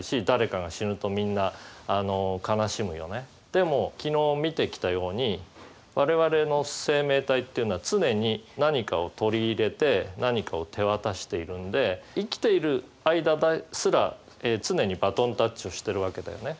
でも昨日見てきたように我々の生命体っていうのは常に何かを取り入れて何かを手渡しているので生きている間ですら常にバトンタッチをしてるわけだよね。